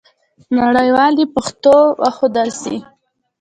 نړیوالو ته دې پښتو وښودل سي.